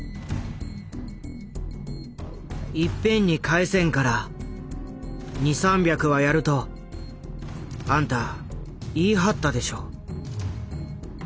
「いっぺんに返せんから２３百はやるとあんた言いはったでしょ」。